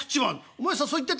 「お前さんそう言ってたろ？